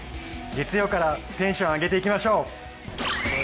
月曜からテンション上げていきましょう！